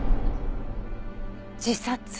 自殺？